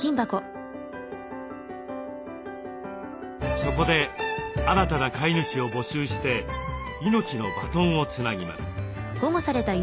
そこで新たな飼い主を募集して命のバトンをつなぎます。